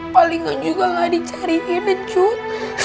palingan juga gak dicariin ya cud